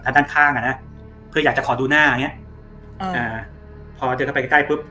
ด้านข้างอ่ะนะคืออยากจะขอดูหน้าอย่างเงี้ยอ่าอ่าพอเจอเข้าไปใกล้ใกล้ปุ๊บ